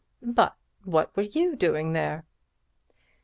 But what were you doing there?"